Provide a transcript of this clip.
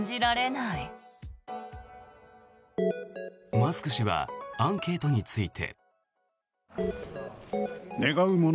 マスク氏はアンケートについて。